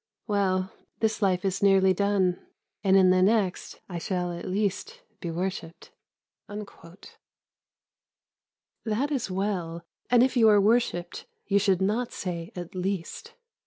Well, this life is nearly done, and in the next I shall at least be worshipped." That is well, and if you are worshipped you should not say "at least."